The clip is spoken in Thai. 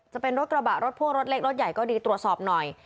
จะเป็นรถกระบะรถพ่วงรถเล็กรถใหญ่ก็ดีตรวจสอบหน่อย